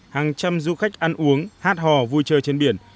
hàng trăm du khách ăn uống hát hò vui chơi trên biển